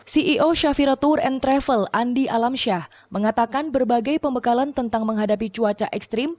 ceo shafira tour and travel andi alamsyah mengatakan berbagai pembekalan tentang menghadapi cuaca ekstrim